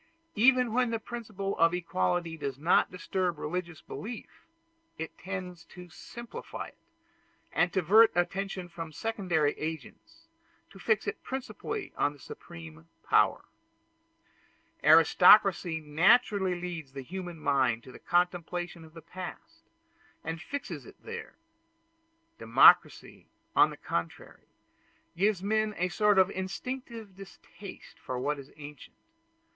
Even when the principle of equality does not disturb religious belief, it tends to simplify it, and to divert attention from secondary agents, to fix it principally on the Supreme Power. Aristocracy naturally leads the human mind to the contemplation of the past, and fixes it there. Democracy, on the contrary, gives men a sort of instinctive distaste for what is ancient.